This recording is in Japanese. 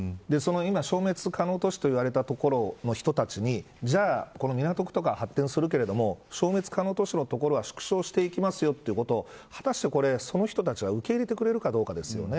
今、消滅可能都市と言われた所の人たちにじゃあ港区とか発展するけれども消滅可能都市の所は縮小してきますというところを果たして、その人たちが受け入れてくれるかどうかですよね。